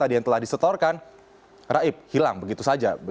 membawa kan raib hilang begitu saja